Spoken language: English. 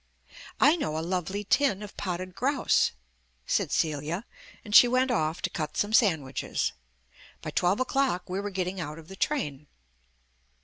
"I know a lovely tin of potted grouse," said Celia, and she went off to cut some sandwiches. By twelve o'clock we were getting out of the train.